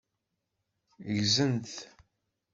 Ggzen-t.